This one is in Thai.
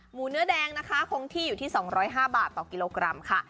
เนื้อแดงนะคะคงที่อยู่ที่๒๐๕บาทต่อกิโลกรัมค่ะ